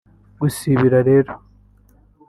Gusibira rero